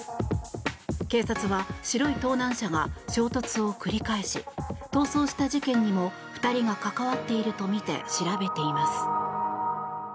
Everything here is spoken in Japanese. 警察は白い盗難車が衝突を繰り返し逃走した事件にも２人が関わっているとみて調べています。